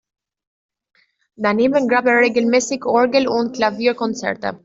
Daneben gab er regelmäßig Orgel- und Klavierkonzerte.